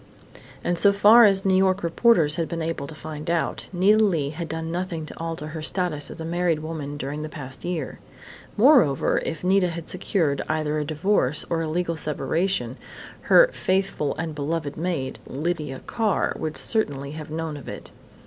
And so far as New York reporters had been able to find out, Nita Leigh had done nothing to alter her status as a married woman during the past year. Moreover, if Nita had secured either a divorce or a legal separation, her "faithful and beloved maid," Lydia Carr, would certainly have known of it.